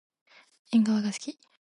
えんがわがすき。